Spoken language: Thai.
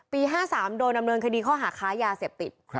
๕๓โดนดำเนินคดีข้อหาค้ายาเสพติด